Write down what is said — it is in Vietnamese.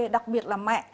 đặc biệt là mẹ